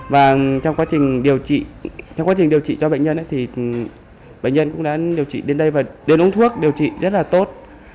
và trong quá trình điều trị cho bệnh nhân thì bệnh nhân cũng đã điều trị đến đây và đến uống thuốc điều trị rất là tốt